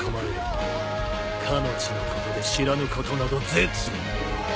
かの地のことで知らぬことなど絶無。